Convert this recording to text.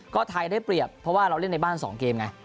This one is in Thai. ก็ไทยได้เปรียบเพราะว่าเราเล่นในบ้าน๒เกมไง